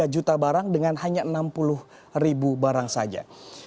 tiga juta barang dengan hanya enam puluh ribu barang saja